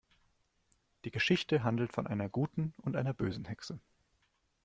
Die Geschichte handelt von einer guten und einer bösen Hexe.